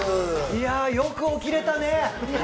いや、よく起きれたね！